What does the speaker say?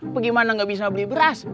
bagaimana nggak bisa beli beras